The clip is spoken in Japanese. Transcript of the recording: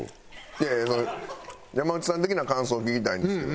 いやいや山内さん的な感想聞きたいんですけど。